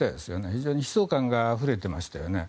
非常に悲壮感があふれていましたよね。